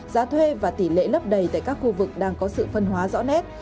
giá thuê và tỷ lệ lấp đầy tại các khu vực đang có sự phân hóa rõ nét